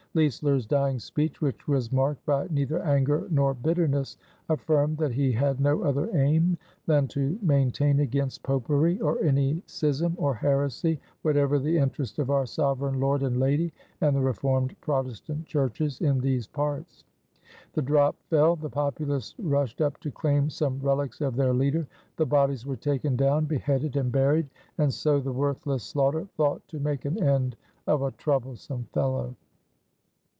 Leisler's dying speech, which was marked by neither anger nor bitterness, affirmed that he had no other aim than "to maintain against Popery or any schism or heresy whatever the interest of our Sovereign Lord and Lady and the Reformed Protestant Churches" in these parts. The drop fell, the populace rushed up to claim some relics of their leader, the bodies were taken down, beheaded, and buried, and so the worthless Sloughter thought to make an end of "a troublesome fellow."